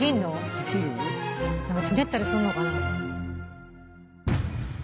できる？つねったりするのかな？